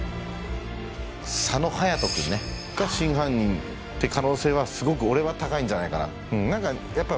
佐野勇斗君が真犯人って可能性はすごく俺は高いんじゃないかなと。